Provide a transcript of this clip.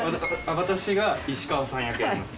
私が石川さん役やります